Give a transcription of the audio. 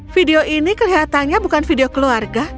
video ini kelihatannya bukan video keluarga